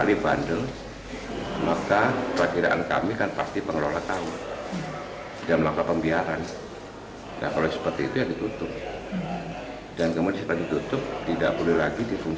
difungsikan untuk membuka tempat hiburan